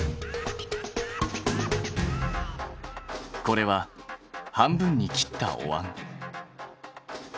これは半分に切ったおわん。